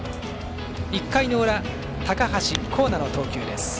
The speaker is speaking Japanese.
１回の裏、高橋光成の投球です。